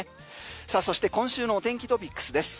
さあそして今週の天気トピックスです。